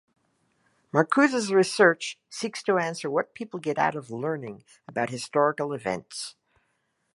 Marcuse's research seeks to answer what people get out of learning about historical events.